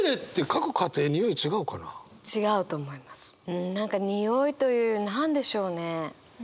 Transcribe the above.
うん何かにおいという何でしょうね？